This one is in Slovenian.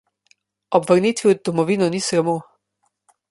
Ob vrnitvi v domovino ni sramu.